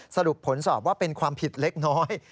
สรุปผลสอบว่าเป็นความผิดเล็กน้อย